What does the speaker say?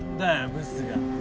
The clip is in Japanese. ブスが。